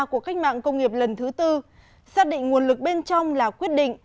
của cách mạng công nghiệp lần thứ tư xác định nguồn lực bên trong là quyết định